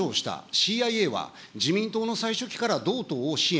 ＣＩＡは自民党の最初期から同党を支援。